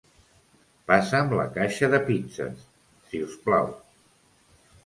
Passa'm la caixa de pizzes, si us plau.